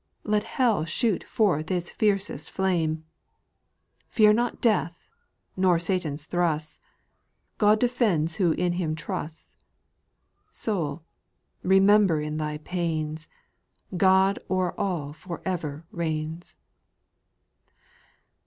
Let hell shoot forth its fiercest flame ; Pear not death, nor Satan's thrusts, God defends who iti Him trusts ; Soul, remember in thy pains, God o'er all for ever reigns